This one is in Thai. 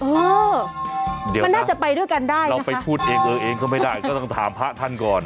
เออเดี๋ยวมันน่าจะไปด้วยกันได้เราไปพูดเองเออเองก็ไม่ได้ก็ต้องถามพระท่านก่อน